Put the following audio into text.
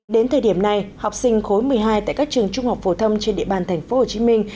đến thời điểm này học sinh khối một mươi hai tại các trường trung học phổ thông trên địa bàn thành phố hồ chí minh